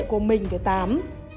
của mình với tám